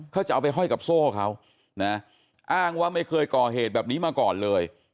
เขาจะเอาไปห้อยกับโซ่เขานะอ้างว่าไม่เคยก่อเหตุแบบนี้มาก่อนเลย